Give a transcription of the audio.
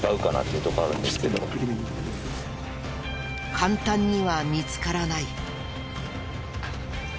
簡単には見つからない。